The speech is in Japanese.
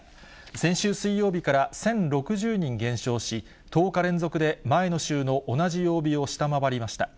先週水曜日から１０６０人減少し、１０日連続で、前の週の同じ曜日を下回りました。